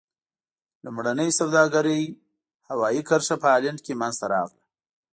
لومړنۍ سوداګرۍ هوایي کرښه په هالند کې منځته راغله.